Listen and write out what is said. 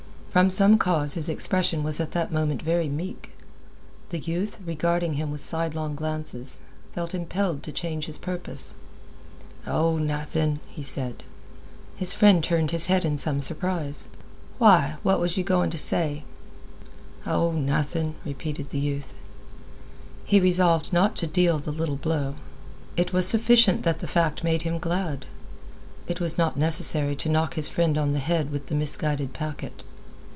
From some cause his expression was at that moment very meek. The youth, regarding him with sidelong glances, felt impelled to change his purpose. "Oh, nothing," he said. His friend turned his head in some surprise, "Why, what was yeh goin' t' say?" "Oh, nothing," repeated the youth. He resolved not to deal the little blow. It was sufficient that the fact made him glad. It was not necessary to knock his friend on the head with the misguided packet.